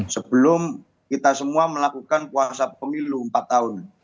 sebelum kita semua melakukan kuasa pemilu empat tahun